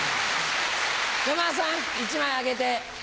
山田さん１枚あげて。